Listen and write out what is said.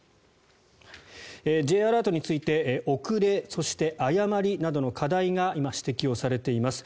Ｊアラートについて遅れ、そして誤りなどの課題が今、指摘されています。